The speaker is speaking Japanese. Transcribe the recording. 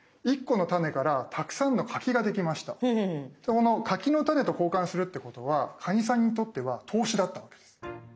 この柿の種と交換するってことはカニさんにとっては投資だったわけです。